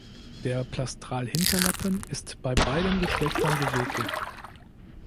Der Plastral-Hinterlappen ist bei beiden Geschlechtern beweglich.